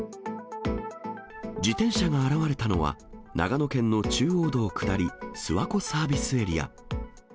自転車が現れたのは、長野県の中央道下り、諏訪湖サービスエリア。